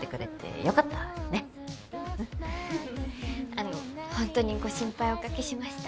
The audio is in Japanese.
あのほんとにご心配おかけしました。